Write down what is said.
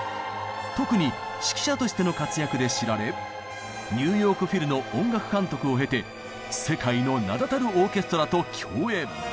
特に指揮者としての活躍で知られニューヨーク・フィルの音楽監督を経て世界の名だたるオーケストラと共演。